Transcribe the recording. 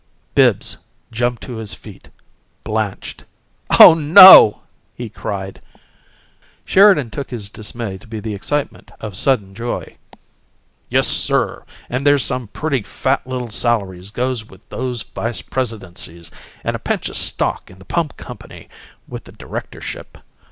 Bibbs jumped to his feet, blanched. "Oh no!" he cried. Sheridan took his dismay to be the excitement of sudden joy. "Yes, sir! And there's some pretty fat little salaries goes with those vice presidencies, and a pinch o' stock in the Pump Company with the directorship.